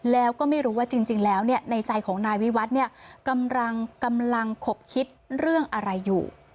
แล้วก็ไม่รู้ว่าจริงแล้วในใจของนายวิวัฒน์เนี่ยกำลังขบคิดเรื่องอะไรอยู่